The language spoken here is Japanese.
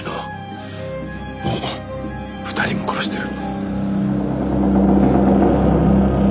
もう２人も殺してる？